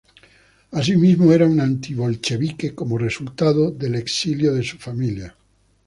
Asimismo, era un antibolchevique, como resultado del exilio de su familia.